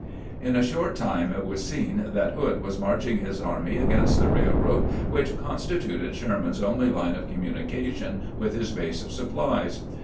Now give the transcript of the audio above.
In a short time it was seen that Hood was marching his army against the railroad which constituted Sherman's only line of communication with his base of supplies.